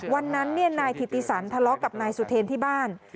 วันนั้นนายถิติสันทะเลาะกับนายสุเทรนที่บ้าน